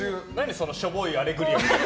そのしょぼい「アレグリア」みたいな。